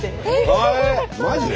えマジで！